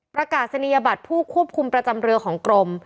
ประกาศนียบัตรผู้ควบคุมประจำเรือของกรม